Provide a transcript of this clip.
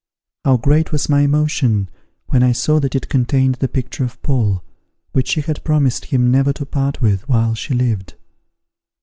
How great was my emotion when I saw that it contained the picture of Paul, which she had promised him never to part with while she lived!